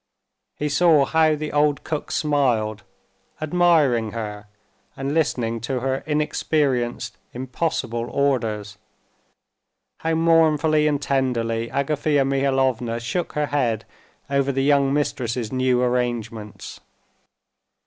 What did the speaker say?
He saw how the old cook smiled, admiring her, and listening to her inexperienced, impossible orders, how mournfully and tenderly Agafea Mihalovna shook her head over the young mistress's new arrangements.